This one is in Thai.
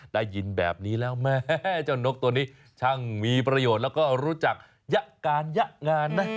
ได้ยินแบบนี้แล้วแม่เจ้านกตัวนี้ช่างมีประโยชน์แล้วก็รู้จักยะการยะงานนะ